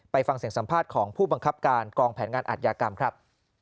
ฟังเสียงสัมภาษณ์ของผู้บังคับการกองแผนงานอัธยากรรมครับ